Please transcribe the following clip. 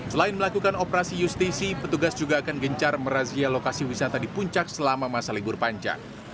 selain melakukan operasi justisi petugas juga akan gencar merazia lokasi wisata di puncak selama masa libur panjang